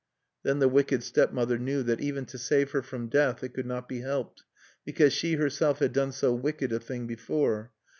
Then the wicked stepmother knew that even to save her from death it could not be helped, because she herself had done so wicked a thing before.